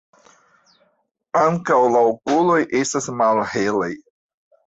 Ankaŭ la okuloj estas malhelaj.